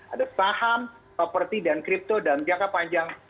ada saham properti dan kripto dalam jangka panjang